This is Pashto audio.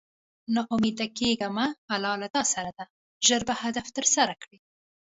نا اميده کيږه مه الله له تاسره ده ژر به هدف تر لاسه کړی